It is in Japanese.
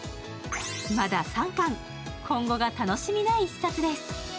まだ３巻、今後が楽しみな一冊です。